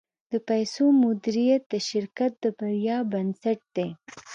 د پیسو مدیریت د شرکت د بریا بنسټ دی.